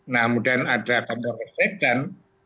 nah kemudian ada kompor listrik dan